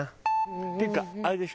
っていうかあれでしょ？